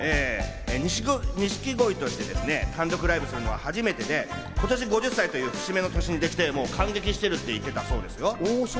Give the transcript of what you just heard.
錦鯉として単独ライブをするのは初めてで、今年５０歳という節目の年にできて感激してるって言ってましたよ。